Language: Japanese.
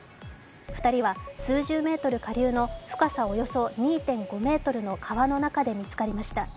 ２人は数十メートル下流の深さおよそ２．５ｍの川の中で見つかりました。